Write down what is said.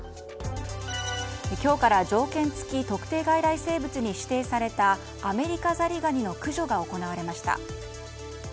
今日から条件付特定外来生物に指定されたアメリカザリガニの駆除が行われました。